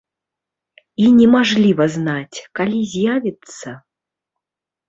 І немажліва знаць, калі з'явіцца?